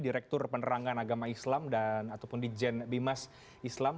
direktur penerangan agama islam dan ataupun di jen bimas islam